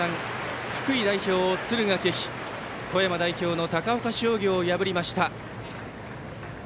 福井代表、敦賀気比が富山代表の高岡商業を破りました。